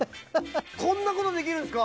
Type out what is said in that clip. こんなことできるんですか？